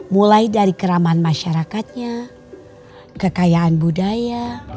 mulai dari keramaan masyarakatnya kekayaan budaya